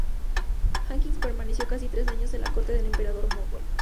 Hawkins permaneció casi tres años en la corte del emperador mogol.